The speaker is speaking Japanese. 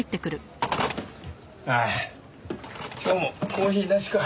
ああ今日もコーヒーなしか。